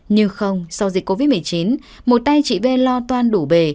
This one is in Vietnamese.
nhưng không sau dịch covid một mươi chín một tay chị v lo toan đủ bề